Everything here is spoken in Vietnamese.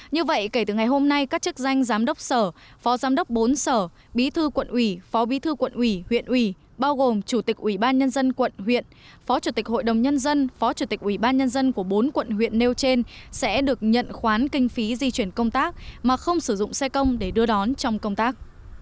như vậy kể từ ngày hôm nay các chức danh giám đốc sở phó giám đốc bốn sở bí thư quận ủy phó bí thư quận ủy huyện ủy bao gồm chủ tịch ủy ban nhân dân quận huyện phó chủ tịch hội đồng nhân dân phó chủ tịch ủy ban nhân dân của bốn quận huyện nêu trên sẽ được nhận khoán kinh phí di chuyển công tác mà không sử dụng xe công để đưa đón trong công tác